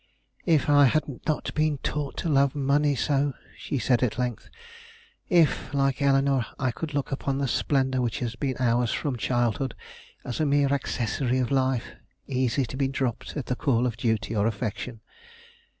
"If I had not been taught to love money so!" she said at length. "If, like Eleanore, I could look upon the splendor which has been ours from childhood as a mere accessory of life, easy to be dropped at the call of duty or affection!